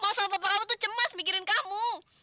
masalah papa kamu tuh cemas mikirin kamu